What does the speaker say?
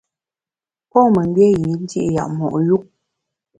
Pon memgbié yî ndi’ yap mo’ yu.